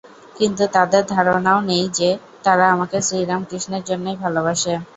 কিন্তু তাদের ধারণাও নেই যে, তারা আমাকে শ্রীরামকৃষ্ণেরই জন্য ভালবাসে।